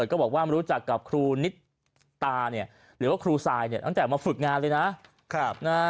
บูลเขียนก็บอกว่ามันรู้จักกับครูนิดตาหรือว่าครูศรายนี่ตั้งแต่มาฝึกงานเลยนะนะครับ